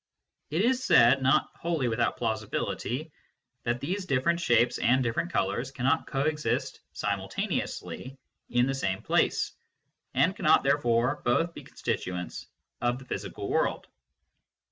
It is said, not wholly without plausibility, that these different shapes and different colours cannot co exist simul taneously in the same place, and cannot therefore both be constituents of the physical world.